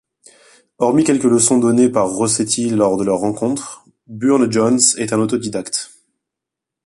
Hormis quelques leçons données par Rossetti lors de leur rencontre, Burne-Jones est un autodidacte.